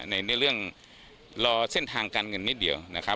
ในเรื่องรอเส้นทางการเงินนิดเดียวนะครับ